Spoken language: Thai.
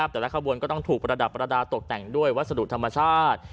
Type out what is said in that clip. แต่ละขบวนก็ต้องถูกประดับประดาษตกแต่งด้วยวัสดุธรรมชาติ